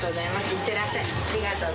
いってらっしゃい。